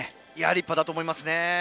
立派だと思いますね。